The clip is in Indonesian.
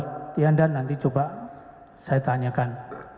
tian dan nanti coba saya tanyakan